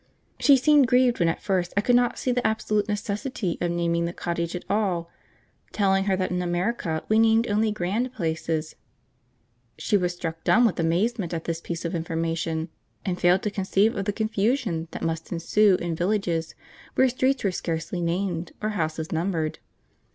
She seemed grieved when at first I could not see the absolute necessity of naming the cottage at all, telling her that in America we named only grand places. She was struck dumb with amazement at this piece of information, and failed to conceive of the confusion that must ensue in villages where streets were scarcely named or houses numbered.